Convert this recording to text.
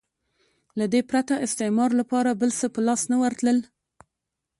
له دې پرته استعمار لپاره بل څه په لاس نه ورتلل.